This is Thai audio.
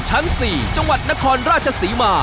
จังหวัดนครราชศรีมา